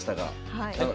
はい。